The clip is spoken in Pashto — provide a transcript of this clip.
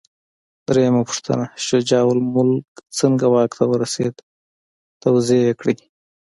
درېمه پوښتنه: شجاع الملک څنګه واک ته ورسېد؟ توضیح یې کړئ.